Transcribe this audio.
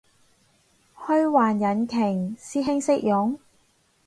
虛幻引擎？師兄識用？